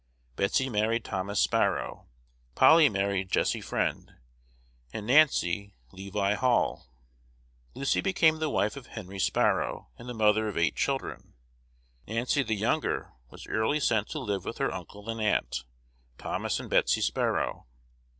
Betsy married Thomas Sparrow; Polly married Jesse Friend, and Nancy, Levi Hall. Lucy became the wife of Henry Sparrow, and the mother of eight children. Nancy the younger was early sent to live with her uncle and aunt, Thomas and Betsy Sparrow.